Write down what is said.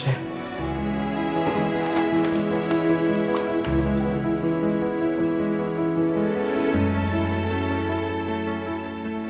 semaleman aku nggak bisa tidur ma